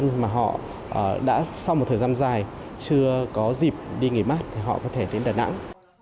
nhưng mà họ đã sau một thời gian dài chưa có dịp đi nghỉ mát thì họ có thể đến đà nẵng